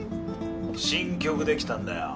新曲できたんだよ。